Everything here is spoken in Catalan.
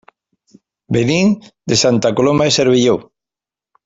Venim de Santa Coloma de Cervelló.